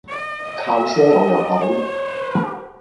靠賒我又怕俾人鬧